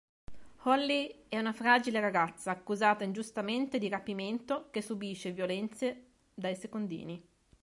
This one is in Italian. Holly è una fragile ragazza accusata ingiustamente di rapimento che subisce violenze dai secondini.